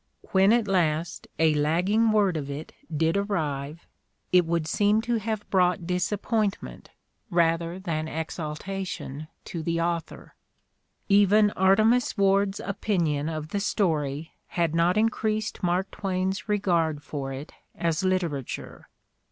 When at last a lagging word of it did arrive, it would seem to have brought 88 The Ordeal of Mark Twain disappointment, rather than exaltation, to the author. Even Artemus "Ward's opinion of the story had not increased Mark Twain's regard for it as literature.